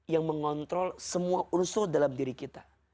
yang mengontrol semua unsur dalam diri kita